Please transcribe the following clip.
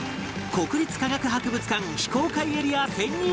国立科学博物館非公開エリア潜入